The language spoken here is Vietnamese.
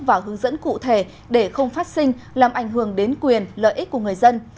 và hướng dẫn cụ thể để không phát sinh làm ảnh hưởng đến quyền lợi ích của người dân